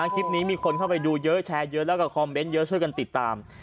คลิปนี้มีคนเข้าไปดูเยอะแชร์เยอะแล้วก็คอมเมนต์เยอะช่วยกันติดตาม